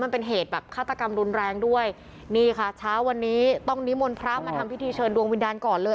มันเป็นเหตุแบบฆาตกรรมรุนแรงด้วยนี่ค่ะเช้าวันนี้ต้องนิมนต์พระมาทำพิธีเชิญดวงวิญญาณก่อนเลย